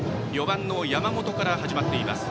４番の山本から始まっています